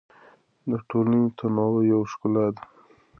د ټولنې تنوع یو ښکلا ده.